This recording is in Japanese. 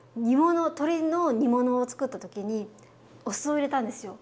鶏の煮物をつくった時にお酢を入れたんですよ。